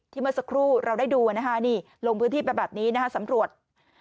ที่เมื่อสักครู่เราได้ดูลงพื้นที่แบบนี้นะคะสำรวจ